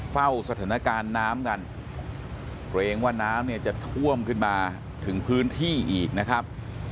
เฝ้าสถานการณ์น้ำกันเกรงว่าน้ำเนี่ยจะท่วมขึ้นมาถึงพื้นที่อีกนะครับ